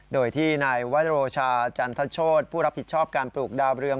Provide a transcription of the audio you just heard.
โดยที่นายวโรชาจันทโชธผู้รับผิดชอบการปลูกดาวเรือง